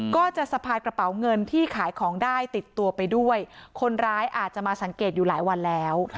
ก็จะสะพายกระเป๋าเงินที่ขายของได้ติดตัวไปด้วยคนร้ายอาจจะมาสังเกตอยู่หลายวันแล้ว